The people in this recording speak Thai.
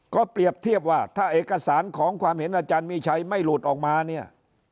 ก็เปรียบเทียบว่าถ้าเอกสารของความเห็นอาจารย์มีชัยไม่หลุดออกมาเนี่ย